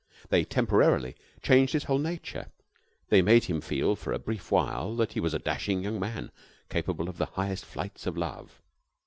They temporarily changed his whole nature. They made him feel for a brief while that he was a dashing young man capable of the highest flights of love.